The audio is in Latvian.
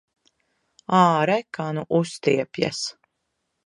Āre, kā nu uztiepjas!